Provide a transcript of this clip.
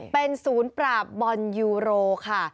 เป็นศูนย์ปราบบอลยูโรค่ะ